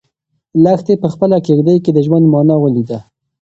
لښتې په خپله کيږدۍ کې د ژوند مانا ولیده.